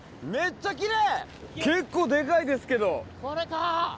結構デカいですけど。